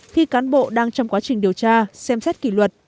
khi cán bộ đang trong quá trình điều tra xem xét kỷ luật